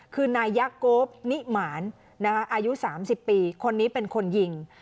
คือนายกโก๊ปนิหมารนะคะอายุสามสิบปีคนนี้เป็นคนยิง